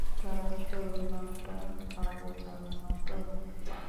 তার আসল নামটা আদৌ জানো তো?